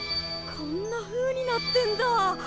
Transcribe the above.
こんなふうになってんだぁ！